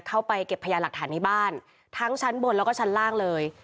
เข้าไปเก็บพยานหลักฐานในบ้านทั้งชั้นบนแล้วก็ชั้นล่างเลย